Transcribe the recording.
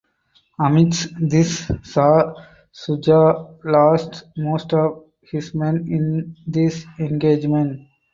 Amidst this Shah Shuja lost most of his men in this engagement.